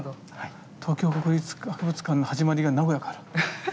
東京国立博物館の始まりが名古屋から。